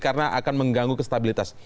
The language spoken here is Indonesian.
karena akan mengganggu kestabilitas